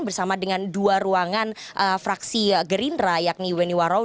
bersama dengan dua ruangan fraksi gerindra yakni weni warou